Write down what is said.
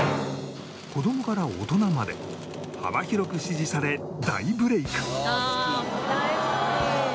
子供から大人まで幅広く支持され大ブレイク